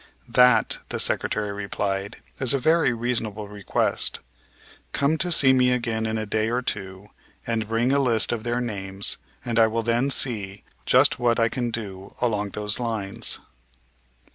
"That," the Secretary replied, "is a very reasonable request. Come to see me again in a day or two and bring a list of their names and I will then see just what I can do along those lines."